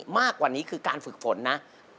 มากกว่านี้คือการฝึกฝนนะ